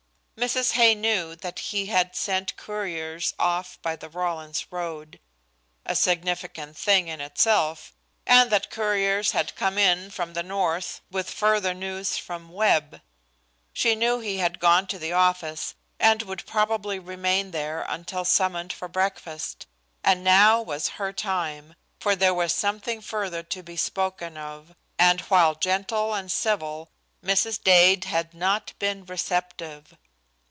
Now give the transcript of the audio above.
Mrs. Hay knew that he had sent couriers off by the Rawlins road a significant thing in itself and that couriers had come in from the north with further news from Webb. She knew he had gone to the office, and would probably remain there until summoned for breakfast, and now was her time, for there was something further to be spoken of, and while gentle and civil, Mrs. Dade had not been receptive.